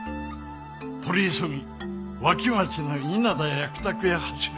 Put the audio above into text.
取り急ぎ脇町の稲田役宅へ走れ。